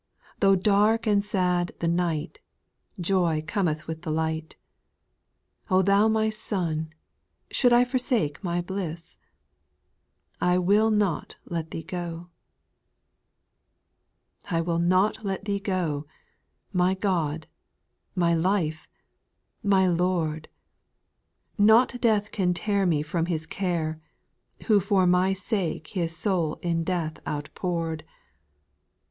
Though (lark and sad the night, Joy Cometh with the light ; O Thou my Sun, should I forsake my bliss ? I will not let Thee go 1 8. I will not let Thee go, my God, my life, my Lordl Not death can tear Me from His care, Who for my sake His soul in death oatpoor'd.